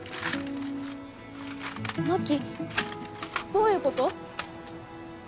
眞妃どういうこと？